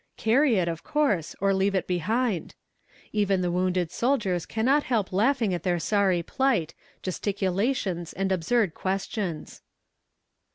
Carry it, of course, or leave it behind. Even the wounded soldiers cannot help laughing at their sorry plight, gesticulations, and absurd questions.